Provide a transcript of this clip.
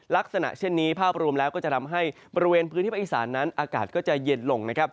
ลักษณะเช่นนี้ภาพรวมแล้วก็จะทำให้บริเวณพื้นที่ภาคอีสานนั้นอากาศก็จะเย็นลงนะครับ